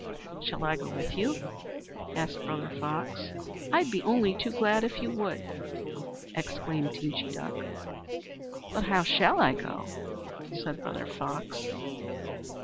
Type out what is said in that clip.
"Shall I go with you?" asked Brother Fox. "I'd be only too glad if you would," exclaimed Teenchy Duck. "But how can I go?" said Brother Fox.